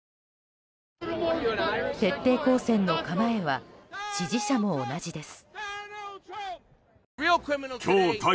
徹底抗戦の構えは支持者も同じです。